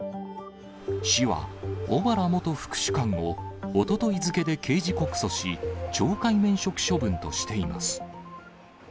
市は小原元副主幹を、おととい付けで刑事告訴し、懲戒免職処分としています。